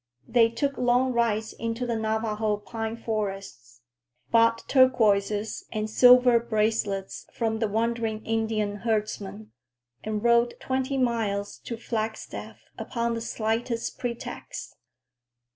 They took long rides into the Navajo pine forests, bought turquoises and silver bracelets from the wandering Indian herdsmen, and rode twenty miles to Flagstaff upon the slightest pretext.